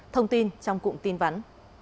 thông tin trong cụm tin vắn